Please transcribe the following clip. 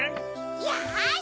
よし！